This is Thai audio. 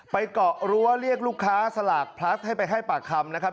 เกาะรั้วเรียกลูกค้าสลากพลัสให้ไปให้ปากคำนะครับ